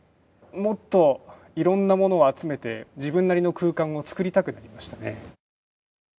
もっといろんなものを集めて自分なりの空間を作りたくなりましたね。